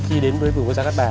khi đến với vùng gia đất bản